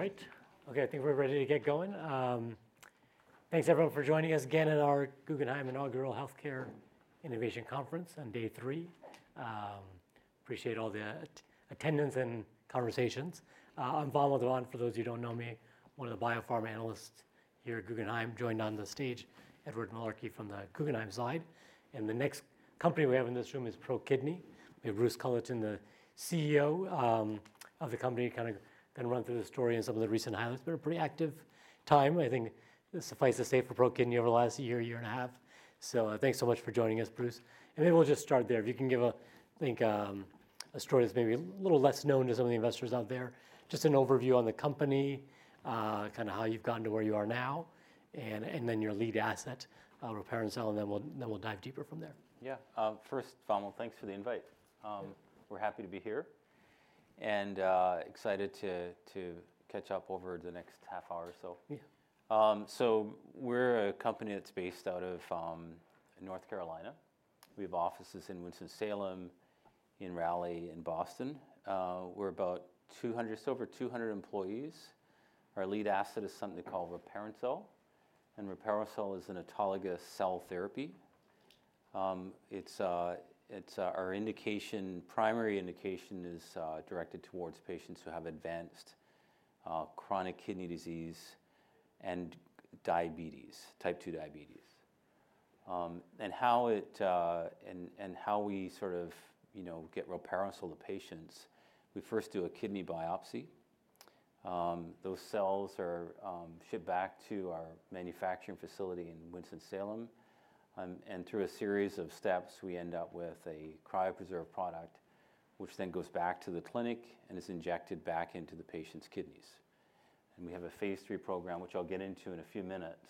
All right. Okay, I think we're ready to get going. Thanks, everyone, for joining us again at our Guggenheim Inaugural Healthcare Innovation Conference on day three. Appreciate all the attendance and conversations. I'm Vamil Divan, for those who don't know me, one of the biopharma analysts here at Guggenheim. Joining on the stage is Edward Malarkey from the Guggenheim side. And the next company we have in this room is ProKidney. We have Bruce Culleton, the CEO of the company, kind of going to run through the story and some of the recent highlights. But a pretty active time, I think, suffice to say, for ProKidney over the last year, year and a half. So thanks so much for joining us, Bruce. And maybe we'll just start there. If you can give, I think, a story that's maybe a little less known to some of the investors out there, just an overview on the company, kind of how you've gotten to where you are now, and then your lead asset, rilparencel, and then we'll dive deeper from there. Yeah. First, Vamil, well, thanks for the invite. We're happy to be here and excited to catch up over the next half hour or so. So we're a company that's based out of North Carolina. We have offices in Winston-Salem, in Raleigh, in Boston. We're about 200, just over 200 employees. Our lead asset is something they call rilparencel, and rilparencel is an autologous cell therapy. Our primary indication is directed towards patients who have advanced chronic kidney disease and diabetes, type 2 diabetes. And how we sort of get rilparencel to patients, we first do a kidney biopsy. Those cells are shipped back to our manufacturing facility in Winston-Salem. And through a series of steps, we end up with a cryopreserved product, which then goes back to the clinic and is injected back into the patient's kidneys. We have a phase III program, which I'll get into in a few minutes.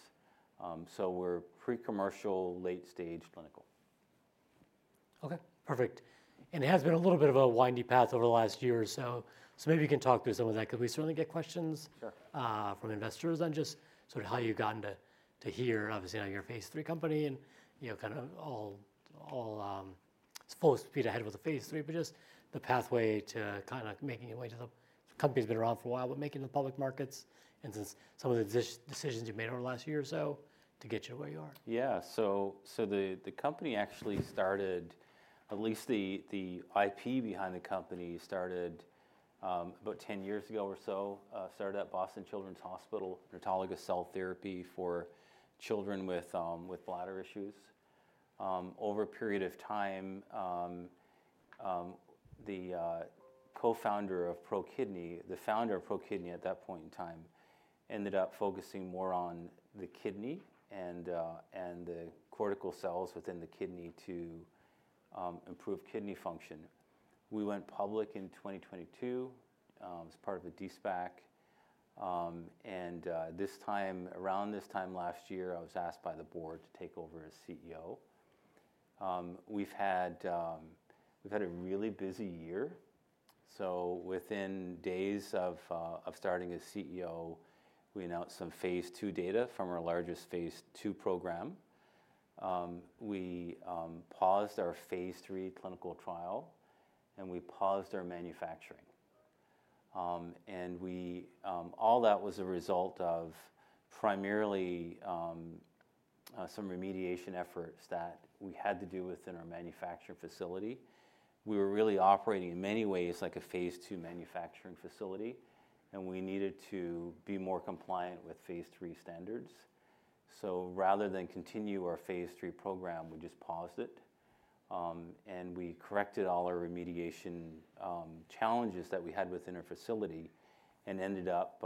We're pre-commercial, late-stage clinical. Okay. Perfect. And it has been a little bit of a winding path over the last year or so. So maybe you can talk through some of that because we certainly get questions from investors on just sort of how you got into here, obviously, on your phase III program and kind of now it's full speed ahead with the phase III, but just the pathway to kind of making your way to the public markets. The company's been around for a while, but making the public markets and some of the decisions you made over the last year or so to get you where you are. Yeah. So the company actually started at least the IP behind the company started about 10 years ago or so, started at Boston Children's Hospital. Autologous cell therapy for children with bladder issues. Over a period of time, the co-founder of ProKidney, the founder of ProKidney at that point in time, ended up focusing more on the kidney and the cortical cells within the kidney to improve kidney function. We went public in 2022 as part of a de-SPAC. And around this time last year, I was asked by the board to take over as CEO. We've had a really busy year. So within days of starting as CEO, we announced some phase II data from our largest phase II program. We paused our phase III clinical trial, and we paused our manufacturing. All that was a result of primarily some remediation efforts that we had to do within our manufacturing facility. We were really operating in many ways like a phase II manufacturing facility, and we needed to be more compliant with phase III standards. Rather than continue our phase II program, we just paused it. We corrected all our remediation challenges that we had within our facility and ended up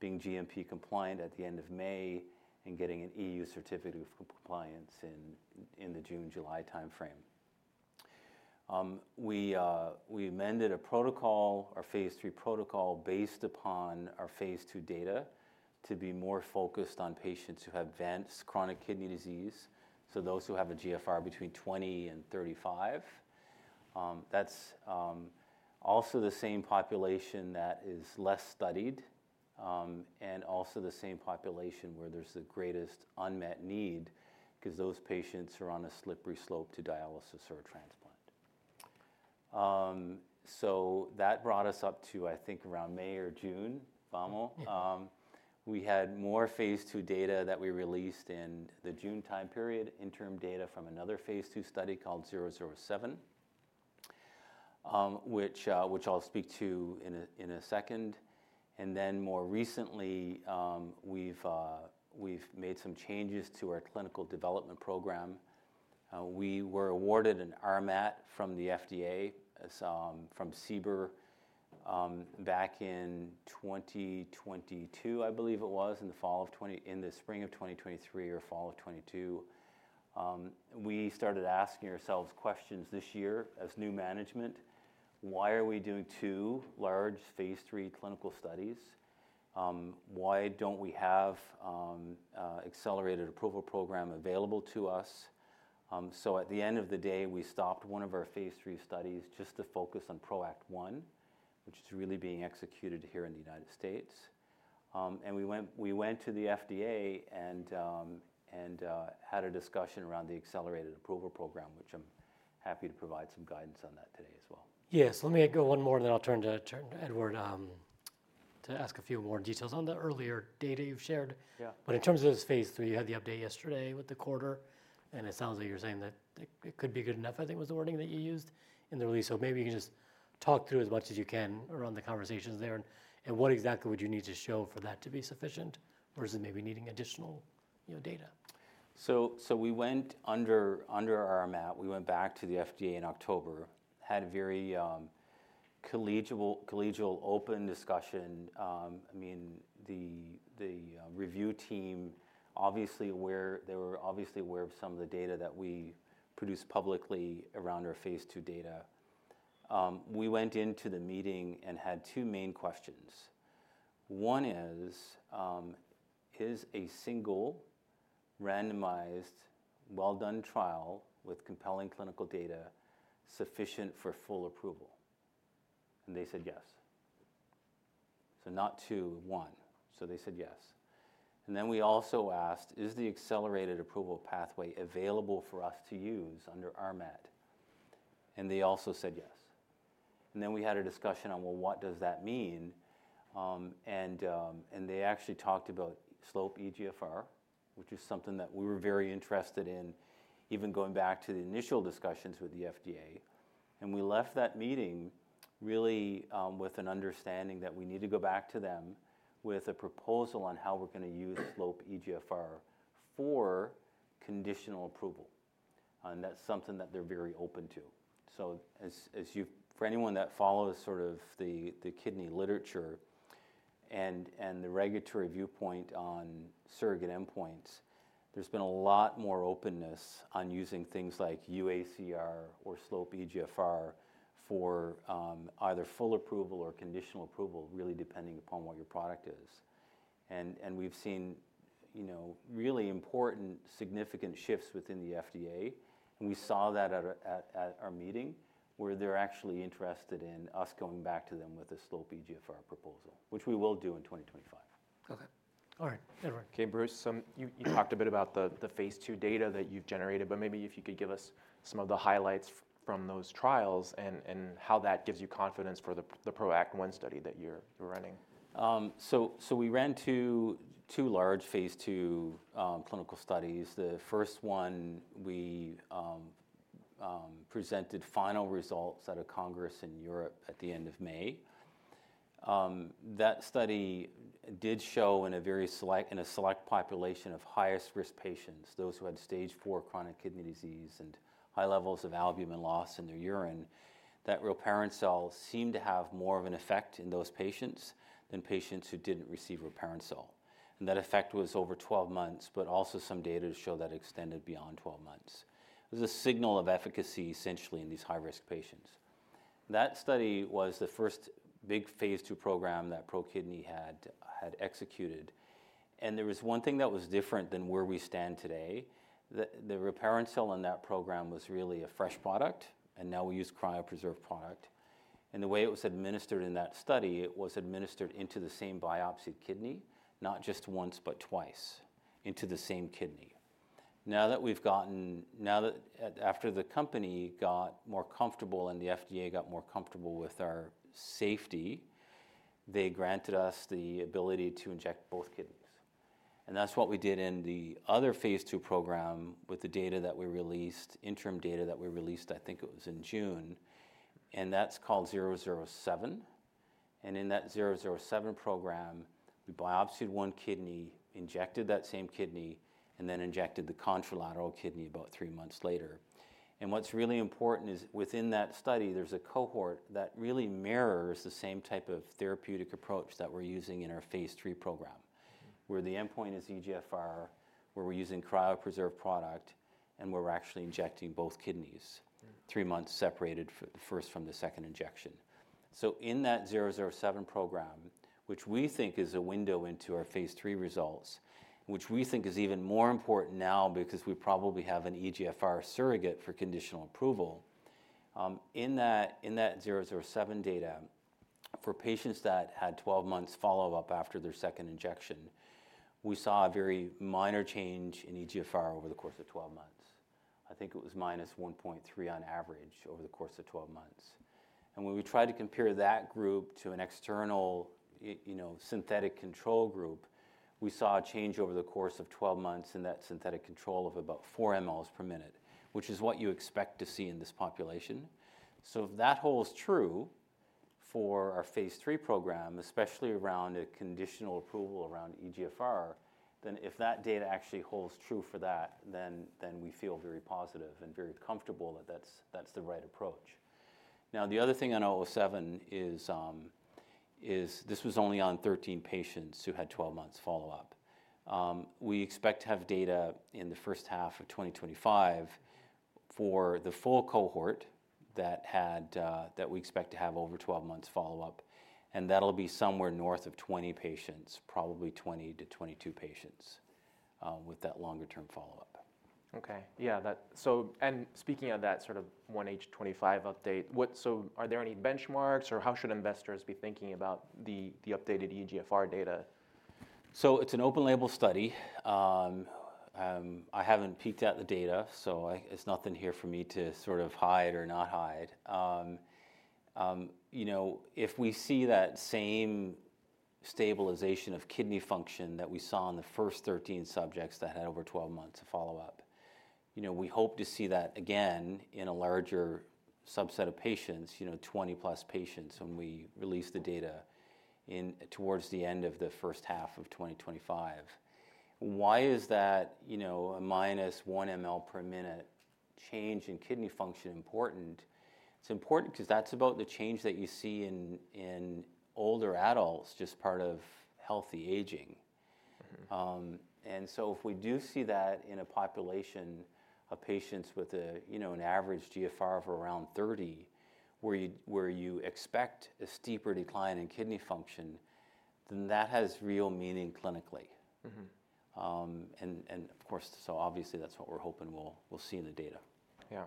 being GMP compliant at the end of May and getting an EU certificate of compliance in the June-July time frame. We amended a protocol, our phase III protocol, based upon our phase II data to be more focused on patients who have advanced chronic kidney disease, so those who have a GFR between 20 and 35. That's also the same population that is less studied and also the same population where there's the greatest unmet need because those patients are on a slippery slope to dialysis or a transplant. So that brought us up to, I think, around May or June, Vamil. We had more phase II data that we released in the June time period, interim data from another phase II study called 007, which I'll speak to in a second. And then more recently, we've made some changes to our clinical development program. We were awarded an RMAT from the FDA from CBER back in 2022, I believe it was, in the fall of 2022, in the spring of 2023 or fall of 2022. We started asking ourselves questions this year as new management. Why are we doing two large phase III clinical studies? Why don't we have an accelerated approval program available to us? So at the end of the day, we stopped one of our phase III studies just to focus on PROACT 1, which is really being executed here in the United States. And we went to the FDA and had a discussion around the accelerated approval program, which I'm happy to provide some guidance on that today as well. Yes. Let me go one more, and then I'll turn to Edward to ask a few more details on the earlier data you've shared. But in terms of this phase III, you had the update yesterday with the quarter, and it sounds like you're saying that it could be good enough, I think was the wording that you used in the release. So maybe you can just talk through as much as you can around the conversations there and what exactly would you need to show for that to be sufficient, or is it maybe needing additional data? So we went under RMAT. We went back to the FDA in October, had a very collegial, open discussion. I mean, the review team were obviously aware of some of the data that we produced publicly around our phase II data. We went into the meeting and had two main questions. One is, is a single, randomized, well-done trial with compelling clinical data sufficient for full approval? And they said yes. So not two, one. So they said yes. And then we also asked, is the accelerated approval pathway available for us to use under RMAT? And they also said yes. And then we had a discussion on, well, what does that mean? And they actually talked about slope eGFR, which is something that we were very interested in, even going back to the initial discussions with the FDA. And we left that meeting really with an understanding that we need to go back to them with a proposal on how we're going to use slope eGFR for conditional approval. And that's something that they're very open to. So for anyone that follows sort of the kidney literature and the regulatory viewpoint on surrogate endpoints, there's been a lot more openness on using things like UACR or slope eGFR for either full approval or conditional approval, really depending upon what your product is. And we've seen really important, significant shifts within the FDA. And we saw that at our meeting where they're actually interested in us going back to them with a slope eGFR proposal, which we will do in 2025. Okay. All right. Edward. Okay, Bruce. You talked a bit about the phase II data that you've generated, but maybe if you could give us some of the highlights from those trials and how that gives you confidence for the PROACT 1 study that you're running? So we ran two large phase II clinical studies. The first one, we presented final results at a congress in Europe at the end of May. That study did show in a select population of highest risk patients, those who had stage four chronic kidney disease and high levels of albumin loss in their urine, that Rilparencel seemed to have more of an effect in those patients than patients who didn't receive Rilparencel. And that effect was over 12 months, but also some data showed that extended beyond 12 months. It was a signal of efficacy, essentially, in these high-risk patients. That study was the first big phase II program that ProKidney had executed. And there was one thing that was different than where we stand today. The Rilparencel in that program was really a fresh product, and now we use cryopreserved product. And the way it was administered in that study, it was administered into the same biopsied kidney, not just once, but twice, into the same kidney. Now that after the company got more comfortable and the FDA got more comfortable with our safety, they granted us the ability to inject both kidneys. And that's what we did in the other phase II program with the data that we released, interim data that we released, I think it was in June. And that's called 007. In that 007 program, we biopsied one kidney, injected that same kidney, and then injected the contralateral kidney about three months later. What's really important is within that study, there's a cohort that really mirrors the same type of therapeutic approach that we're using in our phase III program, where the endpoint is eGFR, where we're using cryopreserved product, and we're actually injecting both kidneys, three months separated first from the second injection. In that 007 program, which we think is a window into our phase III results, which we think is even more important now because we probably have an eGFR surrogate for conditional approval, in that 007 data, for patients that had 12 months follow-up after their second injection, we saw a very minor change in eGFR over the course of 12 months. I think it was minus 1.3 on average over the course of 12 months. And when we tried to compare that group to an external synthetic control group, we saw a change over the course of 12 months in that synthetic control of about 4 mL per minute, which is what you expect to see in this population. So if that holds true for our phase III program, especially around a conditional approval around eGFR, then if that data actually holds true for that, then we feel very positive and very comfortable that that's the right approach. Now, the other thing on 007 is this was only on 13 patients who had 12 months follow-up. We expect to have data in the first half of 2025 for the full cohort that we expect to have over 12 months follow-up. That'll be somewhere north of 20 patients, probably 20-22 patients with that longer-term follow-up. Okay. Yeah, and speaking of that sort of 1H25 update, so are there any benchmarks or how should investors be thinking about the updated eGFR data? It's an open-label study. I haven't peeked at the data, so it's nothing here for me to sort of hide or not hide. If we see that same stabilization of kidney function that we saw in the first 13 subjects that had over 12 months of follow-up, we hope to see that again in a larger subset of patients, 20-plus patients when we release the data towards the end of the first half of 2025. Why is that minus one mL per minute change in kidney function important? It's important because that's about the change that you see in older adults just part of healthy aging. If we do see that in a population of patients with an average eGFR of around 30, where you expect a steeper decline in kidney function, then that has real meaning clinically. Of course, so obviously, that's what we're hoping we'll see in the data. Yeah.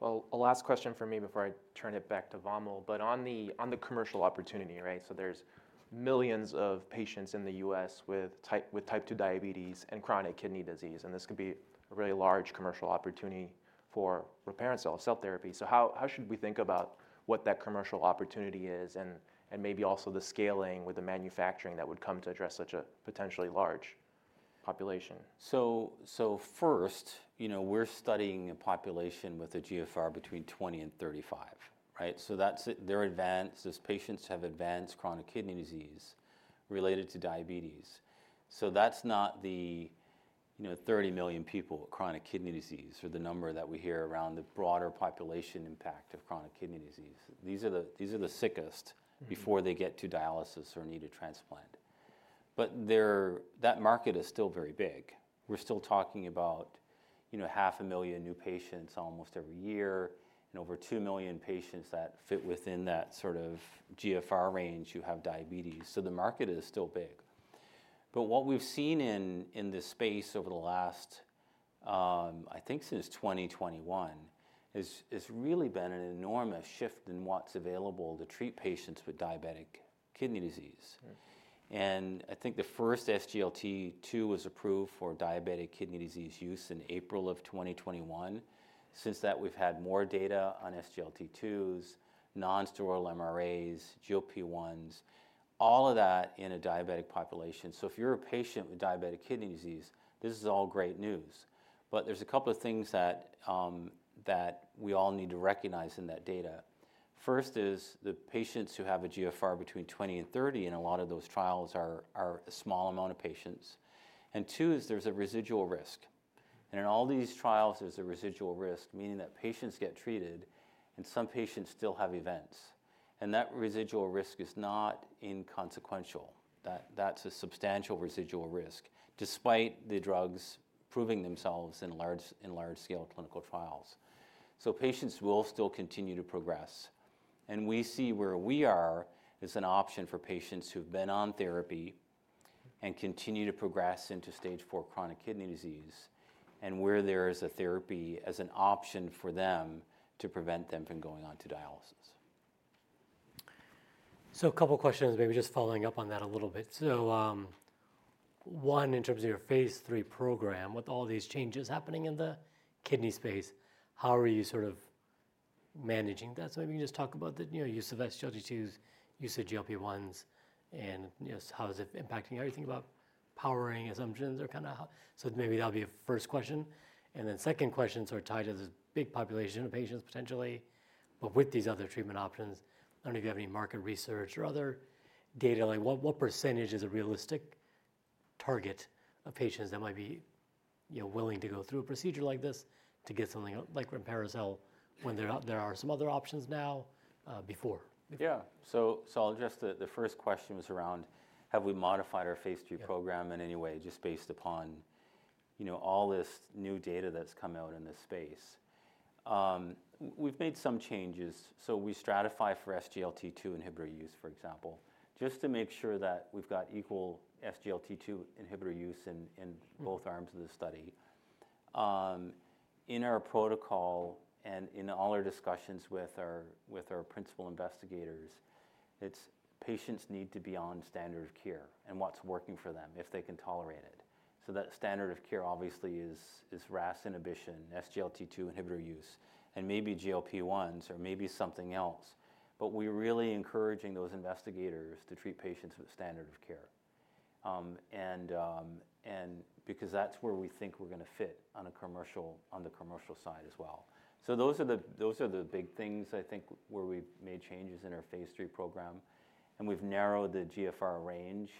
Well, a last question for me before I turn it back to Vamil Divan, but on the commercial opportunity, right? So there's millions of patients in the U.S. with type 2 diabetes and chronic kidney disease. And this could be a really large commercial opportunity for rilparencel cell therapy. So how should we think about what that commercial opportunity is and maybe also the scaling with the manufacturing that would come to address such a potentially large population? So first, we're studying a population with a GFR between 20 and 35, right? So they're advanced. Those patients have advanced chronic kidney disease related to diabetes. So that's not the 30 million people with chronic kidney disease or the number that we hear around the broader population impact of chronic kidney disease. These are the sickest before they get to dialysis or need a transplant. But that market is still very big. We're still talking about 500,000 new patients almost every year and over 2 million patients that fit within that sort of GFR range who have diabetes. So the market is still big. But what we've seen in this space over the last, I think since 2021, has really been an enormous shift in what's available to treat patients with diabetic kidney disease. And I think the first SGLT2 was approved for diabetic kidney disease use in April of 2021. Since that, we've had more data on SGLT2s, nonsteroidal MRAs, GLP-1s, all of that in a diabetic population. So if you're a patient with diabetic kidney disease, this is all great news. But there's a couple of things that we all need to recognize in that data. First is the patients who have a GFR between 20 and 30, and a lot of those trials are a small amount of patients. And two is there's a residual risk. And in all these trials, there's a residual risk, meaning that patients get treated and some patients still have events. And that residual risk is not inconsequential. That's a substantial residual risk despite the drugs proving themselves in large-scale clinical trials. So patients will still continue to progress. We see where we are as an option for patients who've been on therapy and continue to progress into stage four chronic kidney disease and where there is a therapy as an option for them to prevent them from going on to dialysis. A couple of questions, maybe just following up on that a little bit. One, in terms of your phase III program, with all these changes happening in the kidney space, how are you sort of managing that? Maybe you can just talk about the use of SGLT2s, use of GLP-1s, and how is it impacting everything about powering assumptions or kind of how. Maybe that'll be a first question. And then second question sort of tied to this big population of patients potentially, but with these other treatment options. I don't know if you have any market research or other data. What percentage is a realistic target of patients that might be willing to go through a procedure like this to get something like rilparencel when there are some other options now before? Yeah. So I'll address the first question, which was around have we modified our phase III program in any way just based upon all this new data that's come out in this space. We've made some changes, so we stratify for SGLT2 inhibitor use, for example, just to make sure that we've got equal SGLT2 inhibitor use in both arms of the study. In our protocol and in all our discussions with our principal investigators, patients need to be on standard of care and what's working for them if they can tolerate it. So that standard of care obviously is RAS inhibition, SGLT2 inhibitor use, and maybe GLP-1s or maybe something else, but we're really encouraging those investigators to treat patients with standard of care because that's where we think we're going to fit on the commercial side as well. So those are the big things, I think, where we've made changes in our phase III program. And we've narrowed the GFR range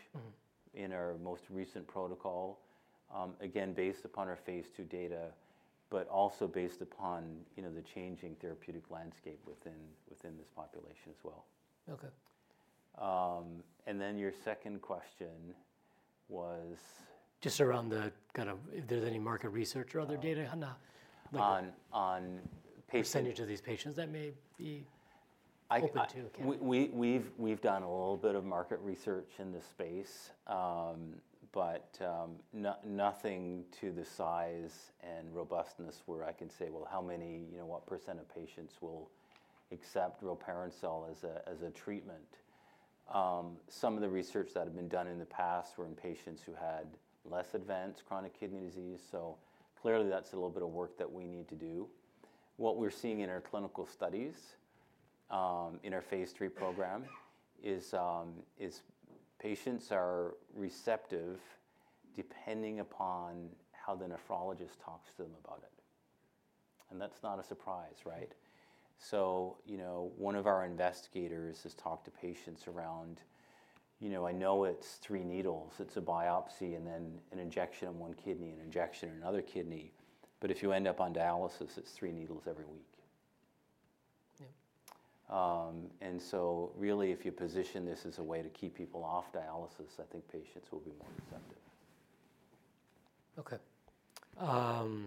in our most recent protocol, again, based upon our phase II data, but also based upon the changing therapeutic landscape within this population as well. Okay. And then your second question was. Just around the kind of, if there's any market research or other data on that? On patients. Percentage of these patients that may be open to. We've done a little bit of market research in this space, but nothing to the size and robustness where I can say, well, how many, what % of patients will accept rilparencel as a treatment. Some of the research that had been done in the past were in patients who had less advanced chronic kidney disease, so clearly, that's a little bit of work that we need to do. What we're seeing in our clinical studies in our phase III program is patients are receptive depending upon how the nephrologist talks to them about it, and that's not a surprise, right, so one of our investigators has talked to patients around. I know it's three needles. It's a biopsy and then an injection in one kidney, an injection in another kidney, but if you end up on dialysis, it's three needles every week. Really, if you position this as a way to keep people off dialysis, I think patients will be more receptive. Okay.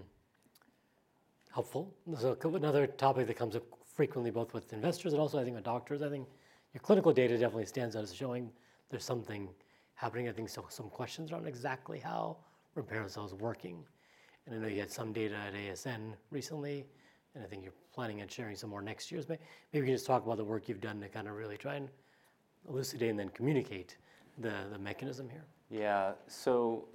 Helpful. There's another topic that comes up frequently, both with investors and also, I think, with doctors. I think your clinical data definitely stands out as showing there's something happening. I think some questions around exactly how rilparencel is working. And I know you had some data at ASN recently, and I think you're planning on sharing some more next year's. Maybe you can just talk about the work you've done to kind of really try and elucidate and then communicate the mechanism here. Yeah. So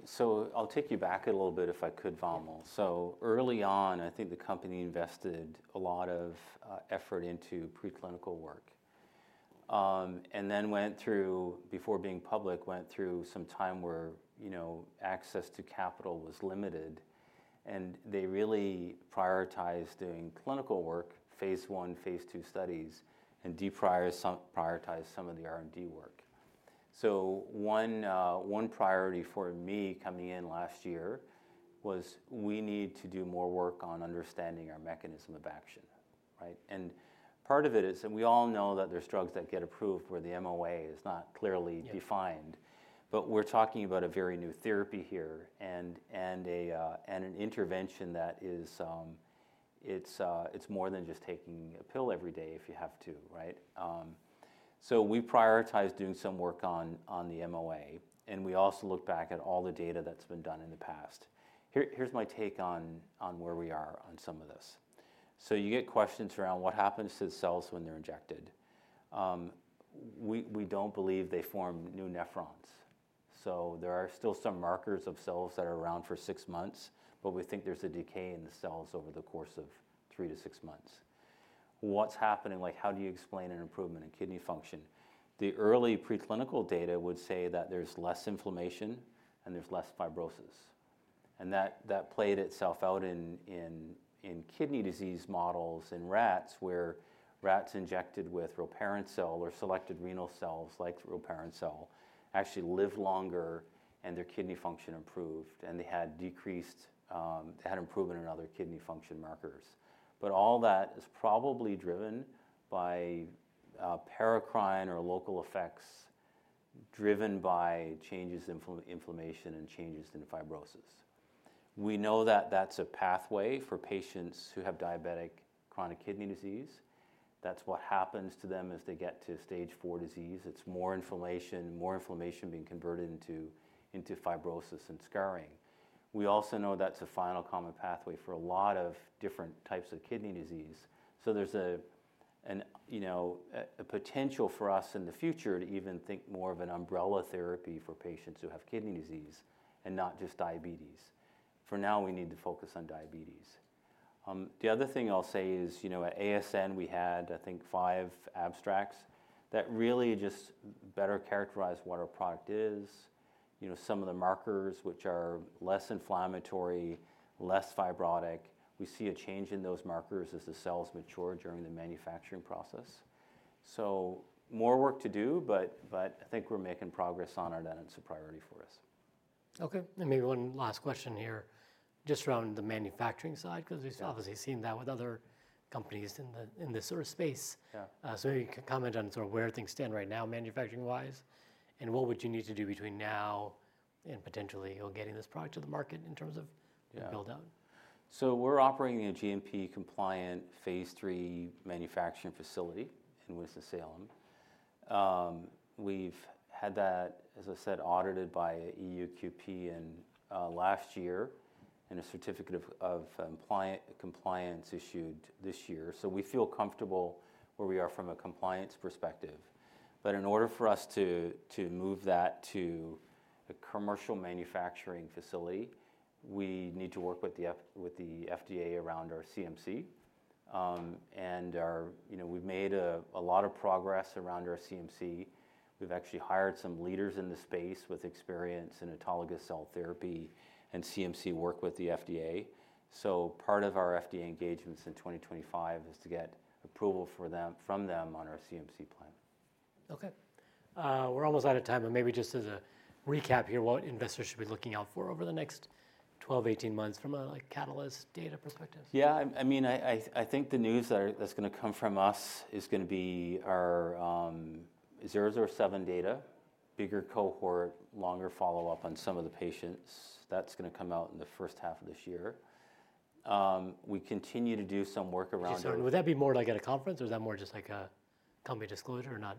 I'll take you back a little bit if I could, Vamil. So early on, I think the company invested a lot of effort into preclinical work and then, before being public, went through some time where access to capital was limited. And they really prioritized doing clinical work, phase I, phase II studies, and deprioritized some of the R&D work. So one priority for me coming in last year was we need to do more work on understanding our mechanism of action, right? And part of it is that we all know that there's drugs that get approved where the MOA is not clearly defined. But we're talking about a very new therapy here and an intervention that it's more than just taking a pill every day if you have to, right? So we prioritized doing some work on the MOA, and we also looked back at all the data that's been done in the past. Here's my take on where we are on some of this. So you get questions around what happens to the cells when they're injected. We don't believe they form new nephrons. So there are still some markers of cells that are around for six months, but we think there's a decay in the cells over the course of three to six months. What's happening? How do you explain an improvement in kidney function? The early preclinical data would say that there's less inflammation and there's less fibrosis. And that played itself out in kidney disease models in rats where rats injected with rilparencel or selected renal cells like rilparencel actually lived longer and their kidney function improved and they had decreased improvement in other kidney function markers. But all that is probably driven by paracrine or local effects driven by changes in inflammation and changes in fibrosis. We know that that's a pathway for patients who have diabetic chronic kidney disease. That's what happens to them as they get to stage four disease. It's more inflammation, more inflammation being converted into fibrosis and scarring. We also know that's a final common pathway for a lot of different types of kidney disease. So there's a potential for us in the future to even think more of an umbrella therapy for patients who have kidney disease and not just diabetes. For now, we need to focus on diabetes. The other thing I'll say is at ASN, we had, I think, five abstracts that really just better characterized what our product is. Some of the markers, which are less inflammatory, less fibrotic, we see a change in those markers as the cells mature during the manufacturing process. So more work to do, but I think we're making progress on our that it's a priority for us. Okay. And maybe one last question here just around the manufacturing side because we've obviously seen that with other companies in this sort of space. So maybe you can comment on sort of where things stand right now manufacturing-wise and what would you need to do between now and potentially getting this product to the market in terms of build-out? So we're operating a GMP-compliant phase III manufacturing facility in Winston-Salem. We've had that, as I said, audited by EU QP last year and a certificate of compliance issued this year. So we feel comfortable where we are from a compliance perspective. But in order for us to move that to a commercial manufacturing facility, we need to work with the FDA around our CMC. And we've made a lot of progress around our CMC. We've actually hired some leaders in the space with experience in autologous cell therapy and CMC work with the FDA. So part of our FDA engagements in 2025 is to get approval from them on our CMC plan. Okay. We're almost out of time, but maybe just as a recap here, what investors should be looking out for over the next 12, 18 months from a catalyst data perspective? Yeah. I mean, I think the news that's going to come from us is going to be our 007 data, bigger cohort, longer follow-up on some of the patients. That's going to come out in the first half of this year. We continue to do some work around. Would that be more like at a conference or is that more just like a company disclosure or not?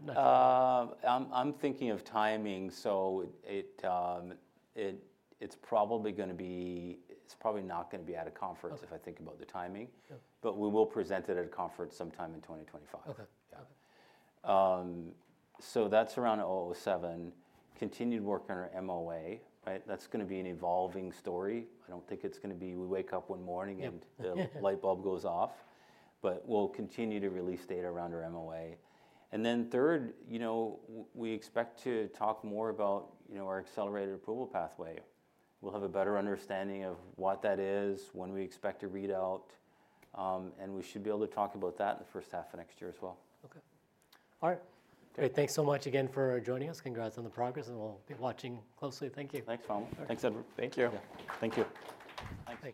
I'm thinking of timing. So it's probably not going to be at a conference if I think about the timing, but we will present it at a conference sometime in 2025. So that's around 007. Continued work on our MOA, right? That's going to be an evolving story. I don't think it's going to be we wake up one morning and the light bulb goes off, but we'll continue to release data around our MOA. And then third, we expect to talk more about our accelerated approval pathway. We'll have a better understanding of what that is, when we expect to read out, and we should be able to talk about that in the first half of next year as well. Okay. All right. Great. Thanks so much again for joining us. Congrats on the progress, and we'll be watching closely. Thank you. Thanks, Vamil. Thank you. Thank you.